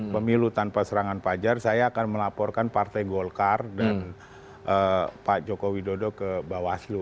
pemilu tanpa serangan pajar saya akan melaporkan partai golkar dan pak joko widodo ke bawaslu